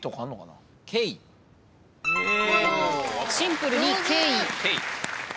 シンプルに「けい」